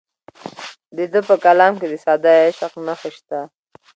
د ده په کلام کې د ساده عشق نښې شته.